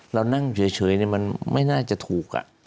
เรานั่งเฉยมันไม่น่าจะถูก